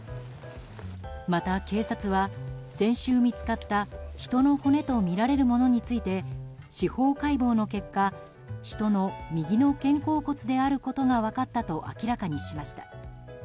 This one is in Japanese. また、警察は先週見つかった人の骨とみられるものについて司法解剖の結果人の右の肩甲骨であることが分かったと明らかにしました。